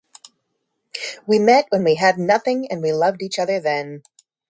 We met when we had nothing and we loved each other then.